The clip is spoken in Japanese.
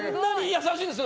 優しいんですね